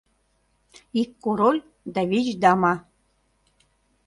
ИК КОРОЛЬ ДА ВИЧ ДАМА